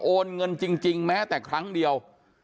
โอนเงินจริงแม้แต่ครั้งเดียว